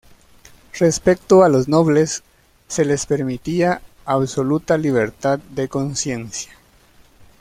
Respecto a los nobles, se les permitía absoluta libertad de conciencia.